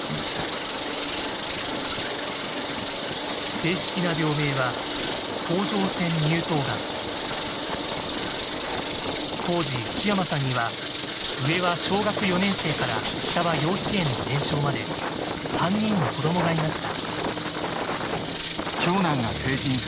正式な病名は当時木山さんには上は小学４年生から下は幼稚園の年少まで３人の子どもがいました。